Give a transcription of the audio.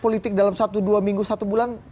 politik dalam satu dua minggu satu bulan